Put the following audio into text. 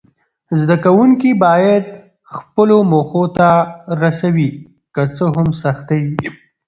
زده کوونکي باید خپلو موخو ته رسوي، که څه هم سختۍ وي.